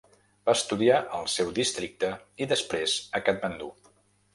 Va estudiar al seu districte i després a Katmandú.